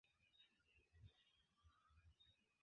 Baldaŭe dominado de turkoj okazis.